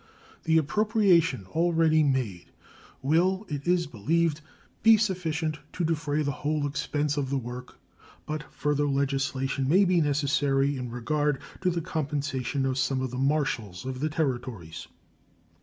The appropriation already made will, it is believed, be sufficient to defray the whole expense of the work, but further legislation may be necessary in regard to the compensation of some of the marshals of the Territories.